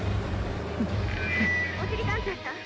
「おしりたんていさん